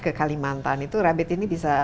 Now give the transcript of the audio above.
ke kalimantan itu rabit ini bisa